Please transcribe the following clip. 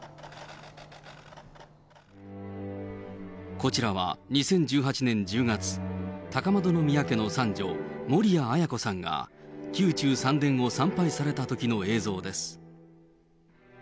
こちらは２０１８年１０月、高円宮家の三女、守谷絢子さんが、宮中三殿を参拝されたときの映像です。